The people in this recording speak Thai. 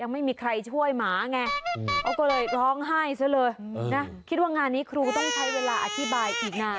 มันไม่ตาย